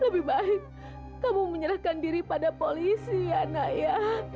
lebih baik kamu menyerahkan diri pada polisi ya nak ya